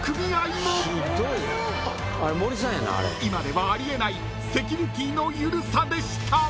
［今ではあり得ないセキュリティの緩さでした］